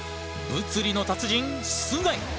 物理の達人須貝！